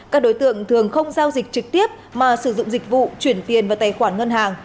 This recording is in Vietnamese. các đối tượng thường không giao dịch trực tiếp mà sử dụng dịch vụ chuyển tiền vào tài khoản ngân hàng